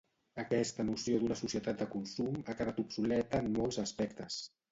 Aquesta noció d'una societat de consum ha quedat obsoleta en molts aspectes.